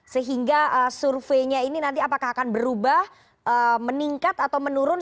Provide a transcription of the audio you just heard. sehingga surveinya ini nanti apakah akan berubah meningkat atau menurun